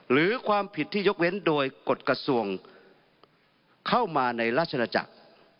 หรือความผิดที่ยกเว้นโดยกฎกระทรวงเข้ามาในราชนาจักร